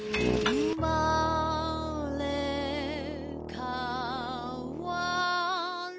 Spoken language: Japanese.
「うまれかわる」